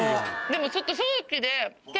でもちょっと。